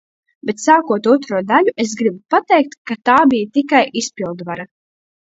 Bet, sākot otro daļu, es gribu pateikt, ka tā bija tikai izpildvara.